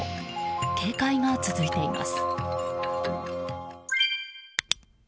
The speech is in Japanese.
警戒が続いています。